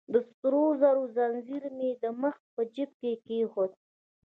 د سرو زرو ځنځیر مې يې د مخ په جیب کې کېښود.